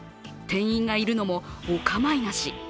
店員がいるのもお構いなし。